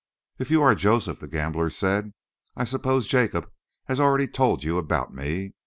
"If you are Joseph," the gambler said, "I suppose Jacob has already told you about me.